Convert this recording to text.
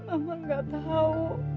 mama gak tau